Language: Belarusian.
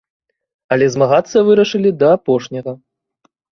Але змагацца вырашылі да апошняга.